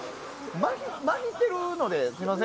まひしてるのですみません